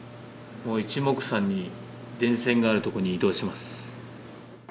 いちもくさんに電線がある所に移動します。